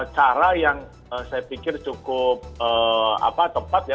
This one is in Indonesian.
cara yang saya pikir cukup tepat ya